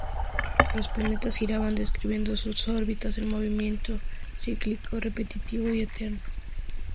Los planetas giraban describiendo sus órbitas en un movimiento cíclico repetitivo y eterno.